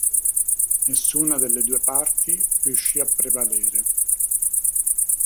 Nessuna delle due parti riuscì a prevalere.